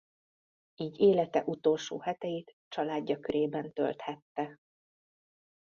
Így élete utolsó heteit családja körében tölthette.